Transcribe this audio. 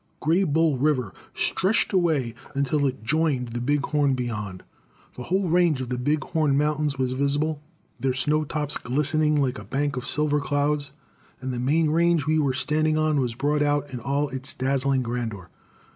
Greybull River stretched away until it joined the Big Horn beyond. The whole range of the Big Horn Mountains was visible, their snow tops glistening like a bank of silver clouds, and the main range we were standing on was brought out in all its dazzling grandeur.